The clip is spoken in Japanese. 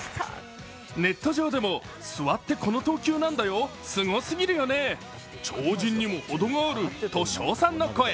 ネット上でも、座ってこの投球なんだよ、すごすぎるよね、超人にもほどがあると称賛の声。